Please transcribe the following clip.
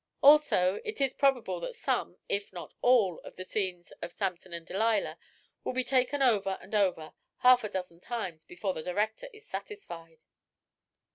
Also it is probable that some if not all of the scenes of 'Samson and Delilah' will be taken over and over, half a dozen times, before the director is satisfied."